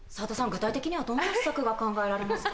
具体的にはどんな施策が考えられますか？